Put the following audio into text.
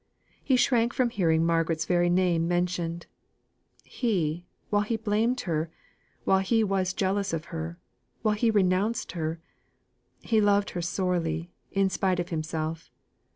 He shrank from hearing Margaret's very name mentioned; he, while he blamed her while he was jealous of her while he renounced her he loved her sorely, in spite of himself.